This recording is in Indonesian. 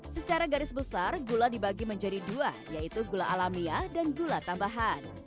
secara garis besar gula dibagi menjadi dua yaitu gula alamiah dan gula tambahan